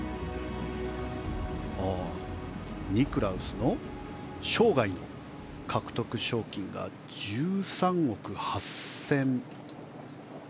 ニクラウスの生涯の獲得賞金が１３億８０００ドル。